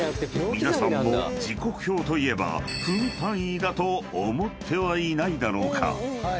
皆さんも時刻表といえば分単位だと思ってはいないだろうか？］